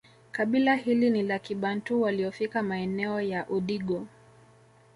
Kabila hili ni la kibantu waliofika maeneo ya Udigo